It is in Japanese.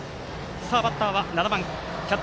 バッターは７番、大賀。